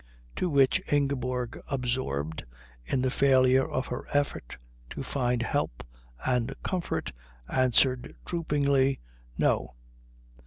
To which Ingeborg, absorbed in the failure of her effort to find help and comfort, answered droopingly "No."